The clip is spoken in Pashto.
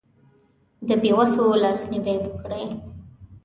د بې وسو لاسنیوی یې کړی.